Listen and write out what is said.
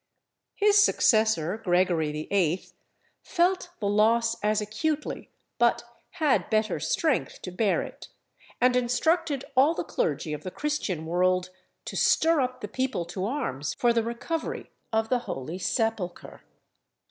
His successor, Gregory VIII., felt the loss as acutely, but had better strength to bear it, and instructed all the clergy of the Christian world to stir up the people to arms for the recovery of the Holy Sepulchre.